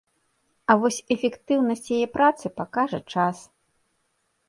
А вось эфектыўнасць яе працы пакажа час.